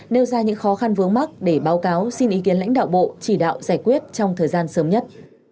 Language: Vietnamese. nêu ra những khó khăn vướng mắt để báo cáo xin ý kiến lãnh đạo bộ chỉ đạo giải quyết trong thời gian sớm nhất